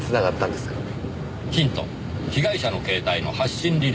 ヒント被害者の携帯の発信履歴。